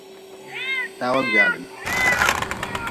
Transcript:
Tawa gwalin.